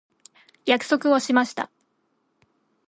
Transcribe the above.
約束をしました。